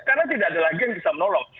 karena tidak ada lagi yang bisa menolong